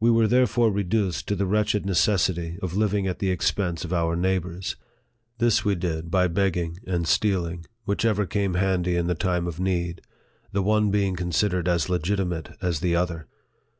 We were therefore reduced to the wretched necessity of living at the expense of our neighbors. This we did by begging and stealing, whichever came handy in the time of need, the one being considered as legitimate as the other.